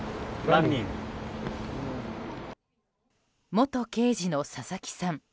元刑事の佐々木さん。